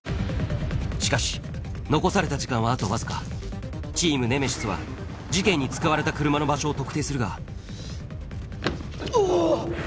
しかし残された時間はあとわずかチーム・ネメシスは事件に使われた車の場所を特定するがおぉ。